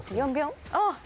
あっ！